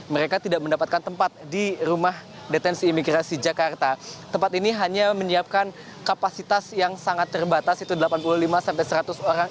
mereka tidak mendapatkan tempat di rumah detensi imigrasi jakarta tempat ini hanya menyiapkan kapasitas yang sangat terbatas itu delapan puluh lima sampai seratus orang